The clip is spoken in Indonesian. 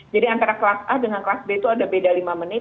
jadi antara kelas a dengan kelas b itu ada beda lima menit